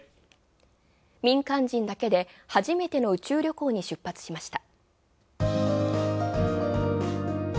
民間人だけではじめての宇宙旅行に出発しました。